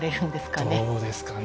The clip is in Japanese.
どうですかね。